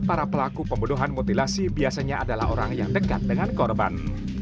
para pelaku pembunuhan mutilasi biasanya adalah orang yang dekat dengan korban